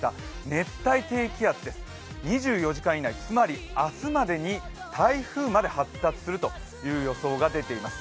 熱帯低気圧です２４時間以内、つまり明日までに台風まで発達するという予想が出ています。